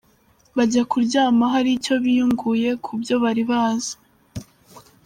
Bajya kuryama hari icyo biyunguye ku byo bari bazi.